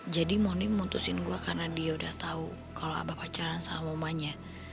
jadi mondi memutuskan gue karena dia udah tau kalau abah pacaran sama omanya